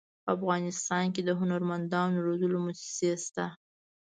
په افغانستان کې د هنرمندانو روزلو مؤسسې شته.